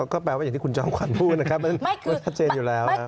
ก็แปลว่าอย่างที่คุณจอมขวัญพูดนะครับมันชัดเจนอยู่แล้ว